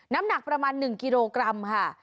น้ำหนักประมาณ๑กิโลกรัมค่ะ